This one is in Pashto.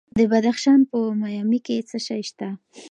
د بدخشان په مایمي کې څه شی شته؟